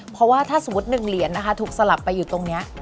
เพราะว่าถ้าสมมุติ๑เหรียญนะคะถูกสลับไปอยู่ตรงนี้